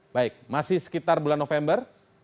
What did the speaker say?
baik masih sekitar bulan november